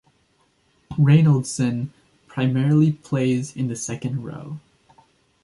Reynoldson primarily plays in the second row.